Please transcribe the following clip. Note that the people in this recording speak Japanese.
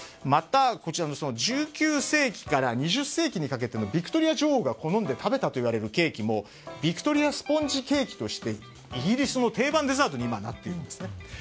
また、１９世紀から２０世紀にかけてビクトリア女王が好んで食べたとされるケーキもビクトリア・スポンジ・ケーキとしてイギリスで定番の料理に今、なっているんですね。